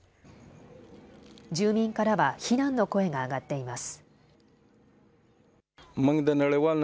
住民からは非難の声が上がっています。